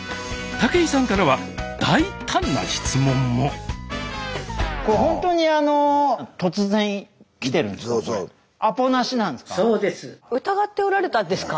武井さんからは大胆な質問もアポなしなんですか？